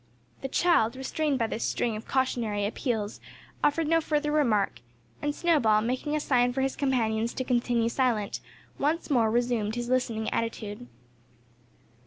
The child, restrained by this string of cautionary appeals, offered no further remark; and Snowball, making a sign for his companions to continue silent, once more resumed his listening attitude.